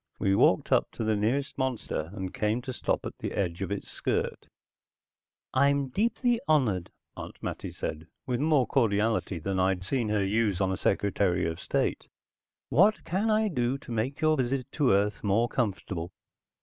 We walked up to the nearest monster and came to stop at the edge of its skirt. "I'm deeply honored," Aunt Mattie said with more cordiality than I'd seen her use on a Secretary of State. "What can I do to make your visit to Earth more comfortable?"